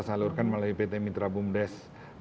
salurkan melalui pt mitra bumdes